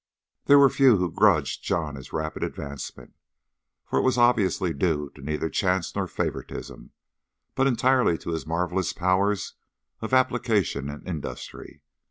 There were few who grudged John this rapid advancement, for it was obviously due to neither chance nor favouritism, but entirely to his marvellous powers of application and industry.